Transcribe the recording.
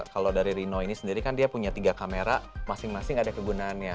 kalau dari rino ini sendiri kan dia punya tiga kamera masing masing ada kegunaannya